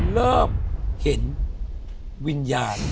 เริ่มเห็นวิญญาณ